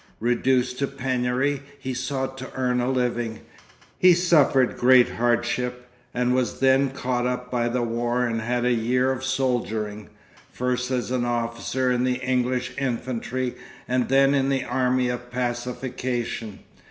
Reduced to penury, he sought to earn a living. He suffered great hardship, and was then caught up by the war and had a year of soldiering, first as an officer in the English infantry and then in the army of pacification.